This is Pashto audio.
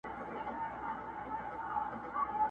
نه مرمۍ نه به توپک وي نه به وېره له مردک وي!!